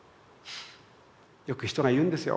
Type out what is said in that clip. よく人が言うんですよ。